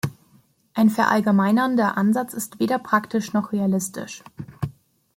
Ein verallgemeinernder Ansatz ist weder praktisch noch realistisch.